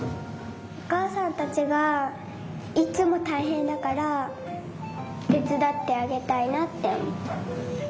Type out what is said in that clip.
おかあさんたちがいつもたいへんだからてつだってあげたいなっておもう。